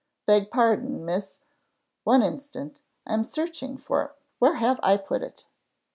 Beg pardon, Miss , one instant. I am searching for where have I put it?"